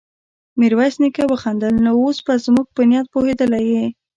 ميرويس نيکه وخندل: نو اوس به زموږ په نيت پوهېدلی يې؟